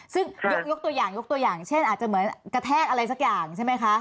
ซึ่งยกตัวอย่างยกตัวอย่างเช่นอาจจะเหมือนกระแทกอะไรสักอย่างใช่ไหมคะ